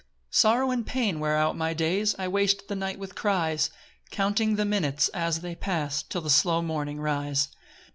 3 Sorrow and pain wear out my days; I waste the night with cries, Counting the minutes as they pass, Till the slow morning rise.